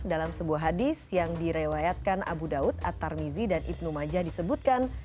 dalam sebuah hadis yang direwayatkan abu daud at tarmizi dan ibnu majah disebutkan